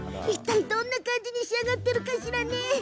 いったい、どんな感じに仕上がっているかしら？